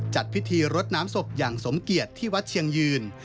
จัดพิธีรดน้ำศพอย่างสมเกียจที่วัดเชียงยืน